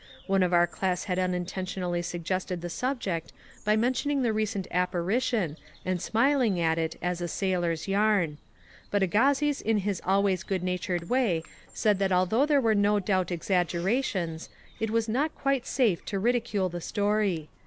One of our class had unintentionally suggested the subject by mentiouing the recent apparition, and smiling at it as a sailor's yarn. But Agassiz in his always good natured way said that although there were no doubt exaggerations, it was not quite safe to ridicule the story.